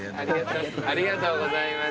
ありがとうございます。